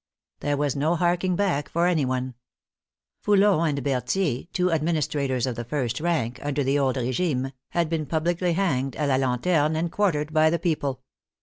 There was no harking back for any one. Foulon and Berthier, two *' administrators of the first rank/' under the old regime, had been publicly hanged, a la lanterne, and quartered by the people.